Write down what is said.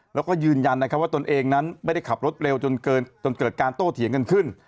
แล้วก็ยืนยันนะครับว่าตนเองนั้นไม่ได้ขับรถเร็วจนเกิดการโต้เถียงกันขึ้น